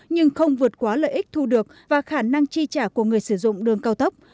nhưng không vượt quá lợi ích thu được và khả năng chi trả của người sử dụng đường cao tốc